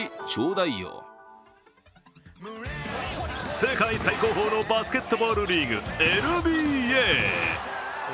世界最高峰のバスケットボールリーグＮＢＡ。